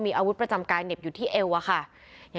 มีอาวุธประจำกายเหน็บอยู่ที่เอวอะค่ะ